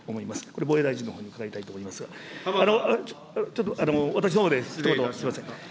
これ、防衛大臣のほうに伺いたいと思いますが、私どもで、すみません。